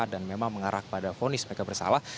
dan memang mengarah kepada fonis mereka bersalah